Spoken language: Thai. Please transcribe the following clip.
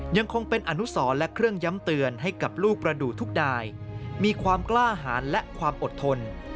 ยังคงเป็นอนุสรและเครื่องย้ำเตือนให้กับลูกประดูกทุกดายมีความกล้าหารและความอดทน